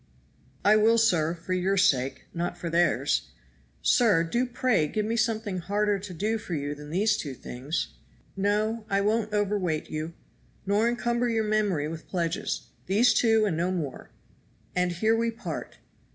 "I will, sir, for your sake, not for theirs. Sir, do pray give me something harder to do for you than these two things!" "No, I won't overweight you nor encumber your memory with pledges these two and no more. And here we part.